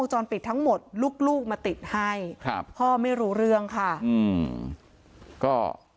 จ้อนปิดทั้งหมดลูกมาติดให้ครับพอไม่รู้เรื่องค่ะ